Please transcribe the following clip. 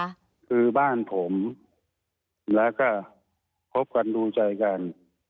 คือบ้านผมแล้วก็คบกันดูใจกัน